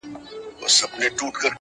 • فکر اوچت غواړمه قد خم راکه..